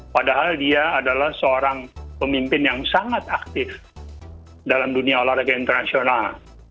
padahal dia adalah seorang pemimpin yang sangat aktif dalam dunia olahraga internasional